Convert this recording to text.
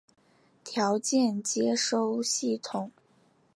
条件接收系统。